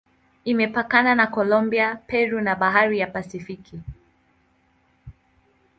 Imepakana na Kolombia, Peru na Bahari ya Pasifiki.